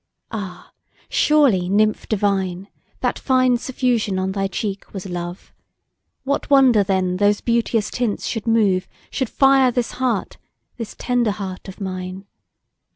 Ah! surely, nymph divine! That fine suffusion on thy cheek was love; What wonder then those beauteous tints should move, Should fire this heart, this tender heart of mine!